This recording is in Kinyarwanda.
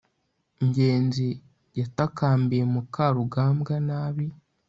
ngenzi yatakambiye mukarugambwa nabi